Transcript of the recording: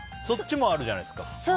そっちもあるじゃないですか。